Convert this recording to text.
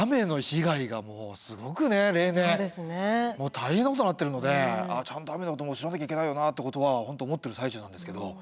大変なことになってるのでちゃんと雨のことも知らなきゃいけないよなってことは本当思ってる最中なんですけど。